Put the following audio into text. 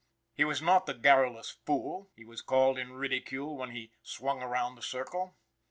He was not the garrulous fool, he was called in ridicule when he "swung around the circle."